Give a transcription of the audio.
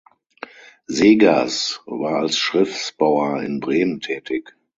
Seegers war als Schiffsbauer in Bremen tätig.